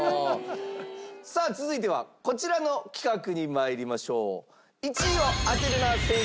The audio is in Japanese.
さあ続いてはこちらの企画に参りましょう。